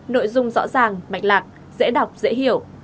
nội dung rõ ràng mạch lạc dễ đọc dễ hiểu